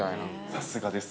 ◆さすがです。